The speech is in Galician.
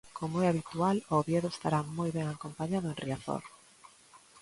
Como é habitual, o Oviedo estará moi ben acompañado en Riazor.